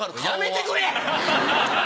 やめてくれ！